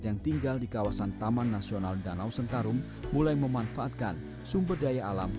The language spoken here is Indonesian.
yang tinggal di kawasan taman nasional danau sentarum mulai memanfaatkan sumber daya alam